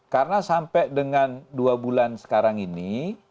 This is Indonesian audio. karena sampai dengan dua bulan sekarang ini